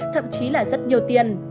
thậm chí là rất nhiều tiền